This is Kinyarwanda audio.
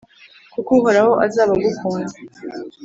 kuko uhoraho azaba agukunze,